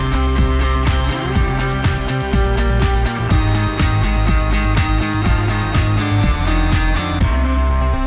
คุณก็อย่าทำ